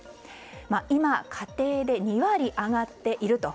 今、家庭で２割上がっていると。